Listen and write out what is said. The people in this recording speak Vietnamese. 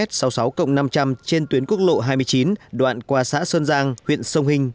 trên tuyến quốc lộ hai mươi chín đoạn qua xã sơn giang huyện sông hình